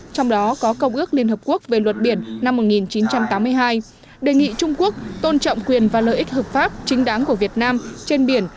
trong đó có công ước liên hợp quốc về luật biển năm một nghìn chín trăm tám mươi hai đề nghị trung quốc tôn trọng quyền và lợi ích hợp pháp chính đáng của việt nam trên biển